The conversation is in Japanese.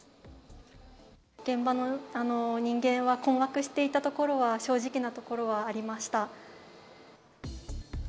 現場の人間は困惑していたところは、正直なところはありました。